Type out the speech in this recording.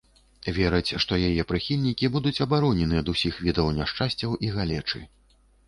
Вераць, што яе прыхільнікі будуць абаронены ад усіх відаў няшчасцяў і галечы.